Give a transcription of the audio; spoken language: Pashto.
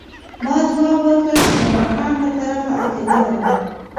ما ځواب ورکړ چې د ماښام له طرفه عقیده لرم.